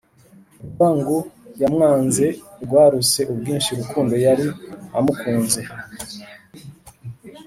urwango yamwanze rwaruse ubwinshi urukundo yari amukunze.